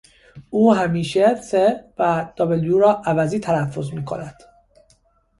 او همیشه th و w را عوضی تلفظ میکند.